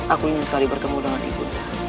aku ingin sekali bertemu dengan ibu